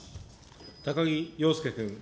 高木陽介君。